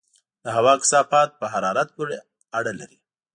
د هوا کثافت په حرارت پورې اړه لري.